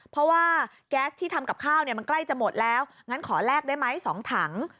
เพราะว่าแก๊สที่ทำกับข้าวเนี่ยมันใกล้จะหมดแล้วงั้นขอแลกได้ไหม๒ถัง